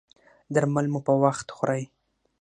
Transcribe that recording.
درمل مو په وخت خورئ؟